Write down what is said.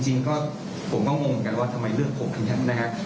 จริงก็ผมก็งงกันว่าทำไมเรื่องผมคือนี้นะครับ